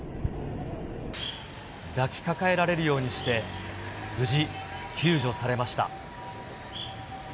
抱きかかえられるようにして、無事救助されました。